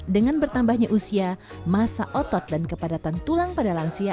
dengan bertambahnya usia masa otot dan kepadatan tulang pada lansia